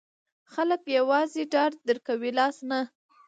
خلګ یوازې ډاډ درکوي، لاس نه.